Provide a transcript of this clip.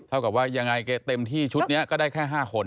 กับว่ายังไงแกเต็มที่ชุดนี้ก็ได้แค่๕คน